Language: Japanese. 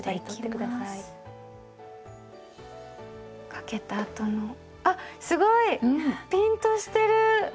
かけたあとのあすごい！ピンとしてる！